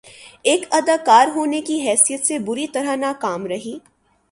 ایک اداکار ہونے کی حیثیت سے بری طرح ناکام رہی